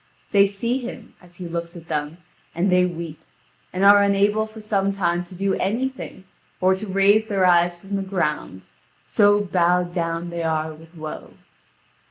They see him, as he looks at them, and they weep, and are unable for some time to do anything or to raise their eyes from the ground, so bowed down they are with woe.